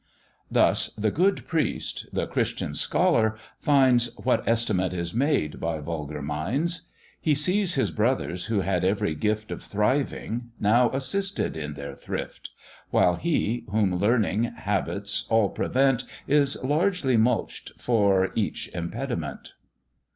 Thus the good priest (the Christian scholar!) finds "What estimate is made by vulgar minds; He sees his brothers, who had every gift Of thriving, now assisted in their thrift; While he, whom learning, habits, all prevent, Is largely mulct for each impediment.